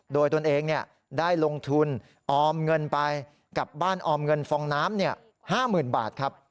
โดยตนเองได้ลงทุนออมเงินไปกับบ้านออมเงินฟองน้ำ๕๐๐๐บาทครับ